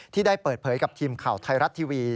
ได้เปิดเผยกับทีมข่าวไทยรัฐทีวี